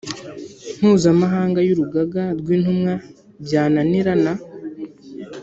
Mpuzamahanga y Urugaga rw Intumwa byananirana